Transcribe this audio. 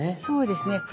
そうですね。